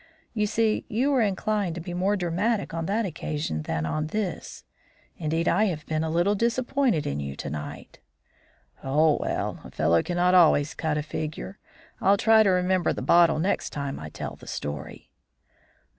You see, you were inclined to be more dramatic on that occasion than on this. Indeed, I have been a little disappointed in you to night." "Oh, well! a fellow cannot always cut a figure. I'll try to remember the bottle next time I tell the story."